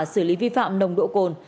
xử lý vi phạm nồng độ cồn